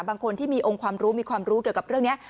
บางคนที่มีองค์ความรู้เกี่ยวกับเรื่องนี้